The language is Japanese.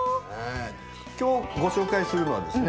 今日ご紹介するのはですね